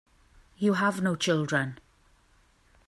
You have no children.